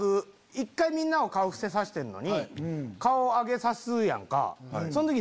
１回みんなを顔伏せさしてんのに顔上げさすやんか。